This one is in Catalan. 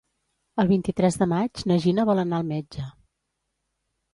El vint-i-tres de maig na Gina vol anar al metge.